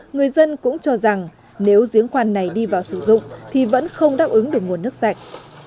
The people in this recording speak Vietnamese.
người dân cũng cho rằng nếu giếng khoan này đi vào sử dụng thì vẫn không đáp ứng được nguồn nước sạch